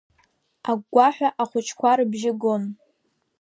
Агәгәаҳәа ахәыҷқәа рыбжьы гон.